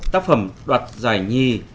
tác phẩm đoạt giải nhì